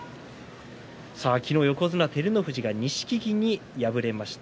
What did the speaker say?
昨日、横綱照ノ富士が錦木に敗れました。